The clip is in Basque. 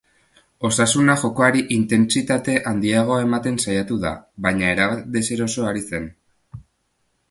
Osasuna jokoari intentsitate handiagoa ematen saiatu da, baina erabat deseroso ari zen.